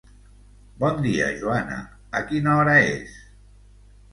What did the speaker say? Bon dia, Joana, A quina hora és?